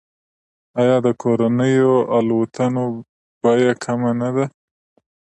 آیا د کورنیو الوتنو بیه کمه نه ده؟